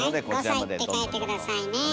はい「５さい」って書いて下さいね。